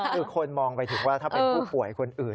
คือคนมองไปถึงว่าถ้าเป็นผู้ป่วยคนอื่น